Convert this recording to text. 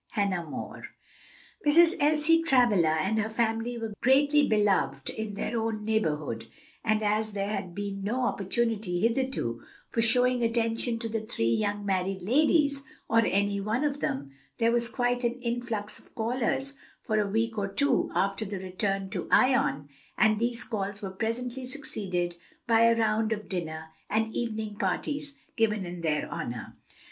Hannah More. Mrs. Elsie Travilla and her family were greatly beloved in their own neighborhood, and as there had been no opportunity hitherto for showing attention to the three young married ladies, or any one of them, there was quite an influx of callers for a week or two after the return to Ion, and these calls were presently succeeded by a round of dinner and evening parties given in their honor.